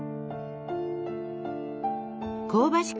香ばしく